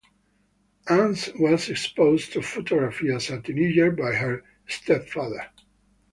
Ans was exposed to photography as a teenager by her stepfather.